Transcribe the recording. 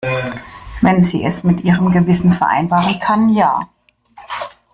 Wenn sie es mit ihrem Gewissen vereinbaren kann, ja.